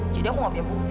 jadi aku gak punya bukti